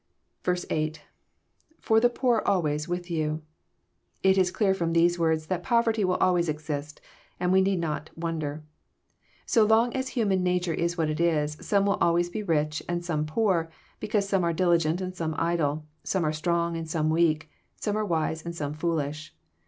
8. — [Ibr the poor alu>ay8» . .toith youJ] It is clear f^om these words that poverty will always exist ; and we need not wonder. So long as human nature is what it is, some will always be rich and some poor, because some are diligent and some idle, some are strong and some weak, some are wise and some foolish.